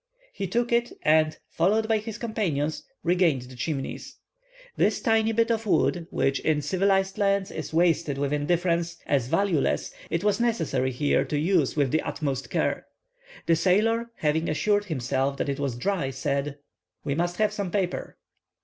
He took it, and, followed by his companions, regained the Chimneys. This tiny bit of wood, which in civilised lands is wasted with indifference, as valueless, it was necessary here to use with the utmost care. The sailor, having assured himself that it was dry, said:— "We must have some paper."